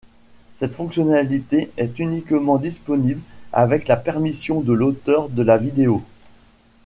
Cette fonctionnalité est uniquement disponible avec la permission de l'auteur de la vidéo.